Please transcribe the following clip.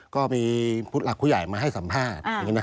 ก็มีผู้หลักผู้ใหญ่มาให้สัมภาษณ์